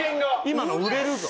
今の売れるぞ。